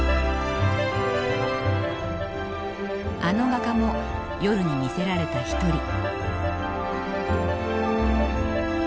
あの画家も夜に魅せられた一人。